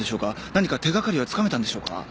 何か手掛かりはつかめたんでしょうか？